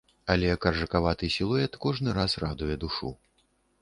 Але каржакаваты сілуэт кожны раз радуе душу.